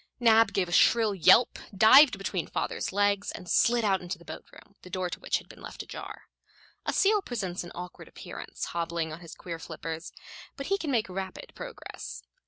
Nab gave a shrill yelp, dived between father's legs, and slid out into the boat room, the door to which had been left ajar. A seal presents an awkward appearance hobbling on his queer flippers, but he can make rapid progress.